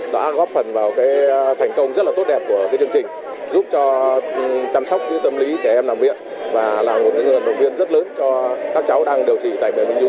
đó là góp phần vào cái thành công rất là tốt